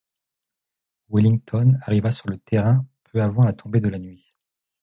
Wellington arriva sur le terrain peu avant la tombée de la nuit.